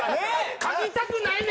書きたくないねん！